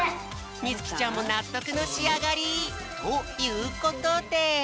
みつきちゃんもなっとくのしあがり！ということで。